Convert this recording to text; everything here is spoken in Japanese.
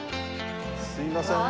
すいません。